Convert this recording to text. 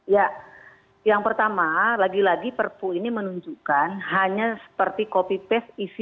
ya yang pertama lagi lagi perpu ini menunjukkan hanya seperti copy paste isi